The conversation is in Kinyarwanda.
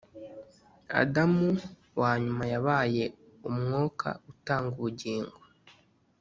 Adamu wanyuma yabaye Umwuka utanga ubugingo,